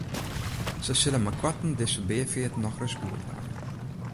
Sy sille meikoarten dizze beafeart nochris oerdwaan.